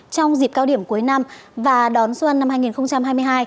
trong dịp cao điểm cuối năm và đón xuân năm hai nghìn hai mươi hai